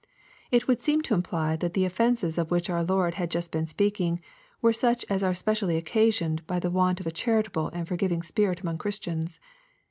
It would seem to imply that the offences of which our Lord had just been speaking, were such as are specially occasioned by the want of a charitable and forgiving spirit among Christians.